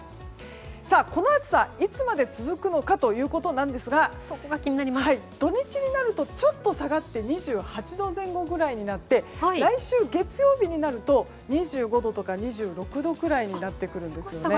この暑さ、いつまで続くのかということですが土日になるとちょっと下がって２８度前後ぐらいになって来週月曜日になると２５度とか２６度ぐらいになってくるんです。